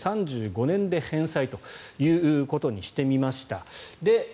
３５年で返済ということにしてみました。